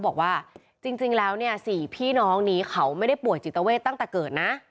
บอกว่าจริงแล้วเนี่ย๔พี่น้องนี้เขาไม่ได้ป่วยจิตเวทตั้งแต่เกิดนะ